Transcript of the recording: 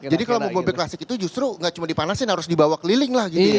jadi kalau mau membuat basic itu justru gak cuma dipanasin harus dibawa keliling lah gitu ya